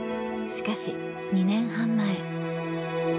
しかし２年半前。